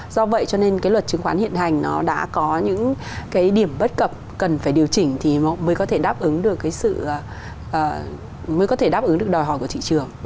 do vậy cho nên luật chứng khoán hiện hành đã có những điểm bất cập cần phải điều chỉnh mới có thể đáp ứng được đòi hỏi của thị trường